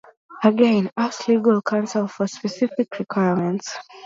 Again, ask legal counsel for specific requirements.